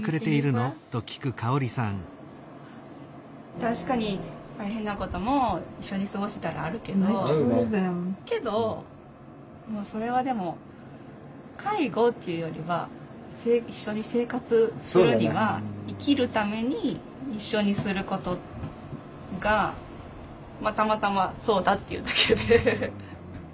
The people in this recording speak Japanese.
確かに大変なことも一緒に過ごしたらあるけどけどもうそれはでも介護っていうよりは一緒に生活するには生きるために一緒にすることがたまたまそうだっていうだけで。